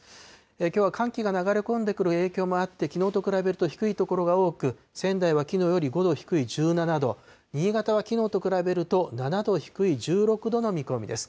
きょうは寒気が流れ込んでくる影響もあって、きのうと比べると低い所が多く、仙台はきのうより５度低い１７度、新潟はきのうと比べると７度低い１６度の見込みです。